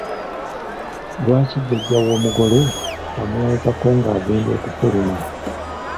Lwaki jjajja w'omugole amuweekako ng'agenda okufuluma?